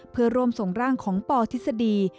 เพื่อร่วมส่งร่างของปทฤษฎี